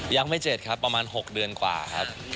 ยังไม่เสร็จครับประมาณ๖เดือนกว่าครับ